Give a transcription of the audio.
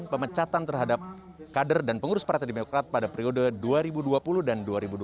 pemecatan terhadap kader dan pengurus partai demokrat pada periode dua ribu dua puluh dan dua ribu dua puluh